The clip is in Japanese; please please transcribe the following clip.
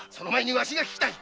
わしが聞きたい。